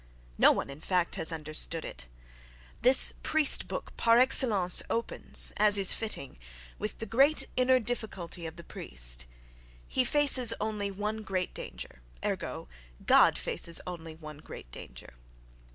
No one, in fact, has understood it. This priest book par excellence opens, as is fitting, with the great inner difficulty of the priest: he faces only one great danger; ergo, "God" faces only one great danger.